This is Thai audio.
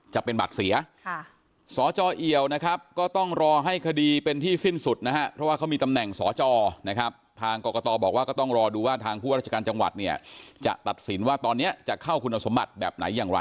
จะเป็นบัตรเสียค่ะสจเอ๋วนะครับ